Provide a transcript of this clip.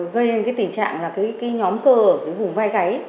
gây đến cái tình trạng là cái nhóm cơ ở cái vùng vai gáy